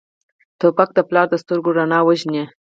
توپک د پلار د سترګو رڼا وژني.